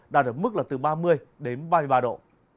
đã được mức là từ ba mươi ba mươi ba độ